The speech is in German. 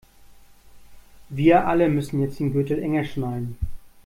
Wir alle müssen jetzt den Gürtel enger schnallen.